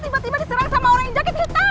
tadi tiba tiba diserang sama orang yang jaket hitam